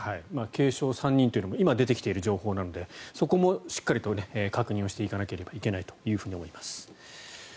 軽傷３人というのも今出ている情報なのでそこもしっかりと確認していかないといけないと思います。